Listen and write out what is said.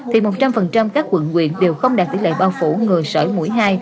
thì một trăm linh các quận huyện đều không đạt tỉ lệ bao phủ ngựa sở mũi hai